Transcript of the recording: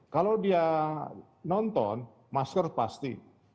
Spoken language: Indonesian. kalau dia nonton masker pasti